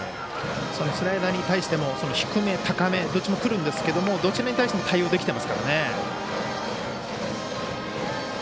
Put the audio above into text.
スライダーに対しても低め、高めどっちもくるんですけどどっちに対しても対応できてますからね。